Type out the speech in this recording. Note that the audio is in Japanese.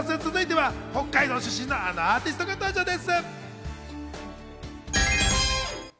続いては北海道出身のあのアーティストが登場です。